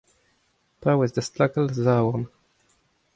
paouez da stlakal da zaouarn.